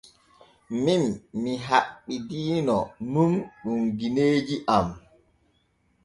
Min mi haɓɓidiino nun ɗum gineeji am.